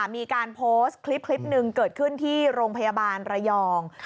มีการโพสต์คลิปหนึ่งเกิดขึ้นที่โรงพยาบาลระยอง